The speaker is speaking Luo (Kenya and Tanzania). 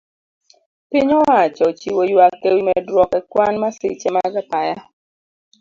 Piny owacho ochiwo yuak ewi medruok ekwan masiche mag apaya